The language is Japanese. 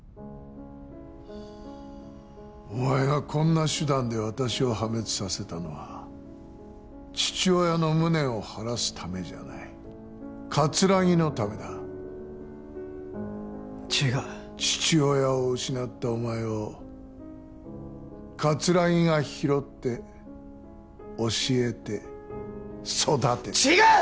お前がこんな手段で私を破滅させたのは父親の無念を晴らすためじゃない桂木のためだ違う父親を失ったお前を桂木が拾って教えて育てた違う！